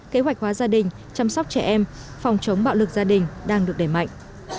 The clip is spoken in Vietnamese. kế hoạch hóa gia đình chăm sóc trẻ em phòng chống bạo lực gia đình đang được đẩy mạnh